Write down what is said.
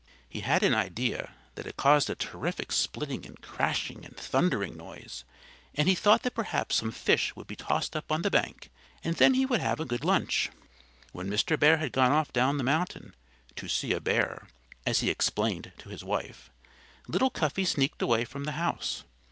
He had an idea that it caused a terrific splitting and crashing and thundering noise and he thought that perhaps some fish would be tossed up on the bank and then he would have a good lunch. When Mr. Bear had gone off down the mountain, "to see a bear," as he explained to his wife, little Cuffy sneaked away from the house.